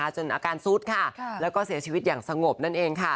จนอาการซุดค่ะแล้วก็เสียชีวิตอย่างสงบนั่นเองค่ะ